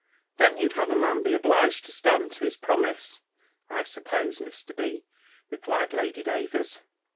"Then you'd have a man be obliged to stand to his promise, I suppose, Mr. B.?" replied Lady Davers.